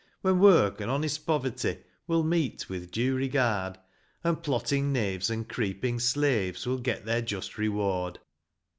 When work and honest poverty Will meet with due regard ; And plotting knaves and creeping slaves Will get their just reward.